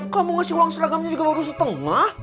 kamu ngasih uang seragamnya juga baru setengah